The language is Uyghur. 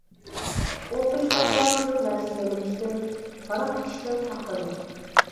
ئولتۇرۇشلاردا كۆپ نەرسە يەۋېلىشتىن، ھاراق ئىچىشتىن ساقلىنىڭ.